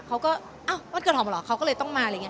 อ้าววันเกิดหอมเหรอเขาก็เลยต้องมา